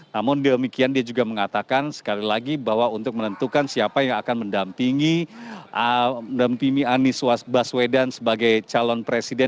namun demikian dia juga mengatakan sekali lagi bahwa untuk menentukan siapa yang akan mendampingi anies baswedan sebagai calon presiden